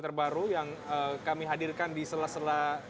terbaru yang kami hadirkan di sela sela